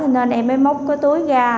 nên em mới móc cái túi ra